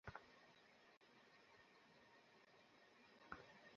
এই নেও, ভারত লাল।